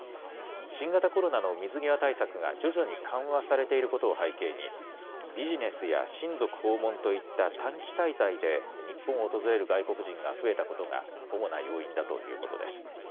新型コロナの水際対策が徐々に緩和されていることを背景に、ビジネスや親族訪問といった短期滞在で日本を訪れる外国人が増えたことが、主な要因だということです。